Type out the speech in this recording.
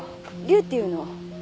竜っていうの。